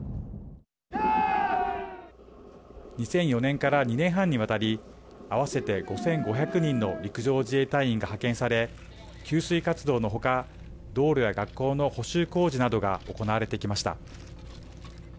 ２００４年から２年半にわたり合わせて５５００人の陸上自衛隊員が派遣され給水活動の他、道路や学校の補修工事などが行われてきました。